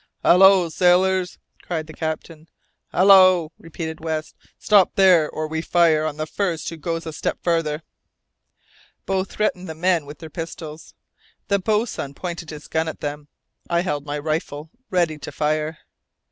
"Hallo, sailors!" cried the captain. "Hallo!" repeated West, "stop there, or we fire on the first who goes a step farther!" Both threatened the men with their pistols. The boatswain pointed his gun at them. I held my rifle, ready to fire.